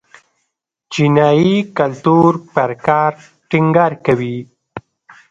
چینايي کلتور پر کار ټینګار کوي.